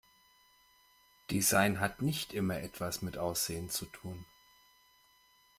Design hat nicht immer etwas mit Aussehen zu tun.